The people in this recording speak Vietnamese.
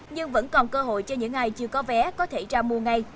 nhưng vẫn còn cơ hội cho những ai chưa có vé có thể ra mua ngay